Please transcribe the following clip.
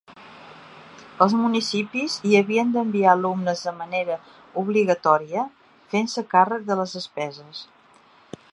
Els municipis hi havien d'enviar alumnes de manera obligatòria, fent-se càrrec de les despeses.